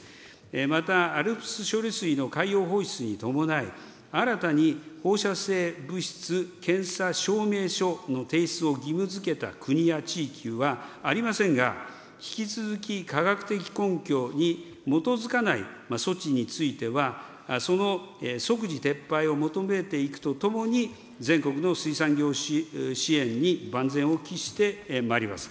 また、ＡＬＰＳ処理水の海洋放出に伴い、新たに放射性物質検査証明書の提出を義務づけた国や地域はありませんが、引き続き科学的根拠に基づかない措置については、その即時撤廃を求めていくとともに、全国の水産業支援に万全を期してまいります。